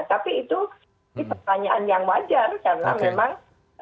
tapi itu pertanyaan yang wajar karena memang